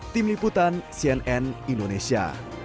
tim liputan cnn indonesia